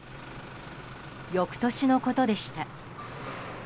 翌年のことでした。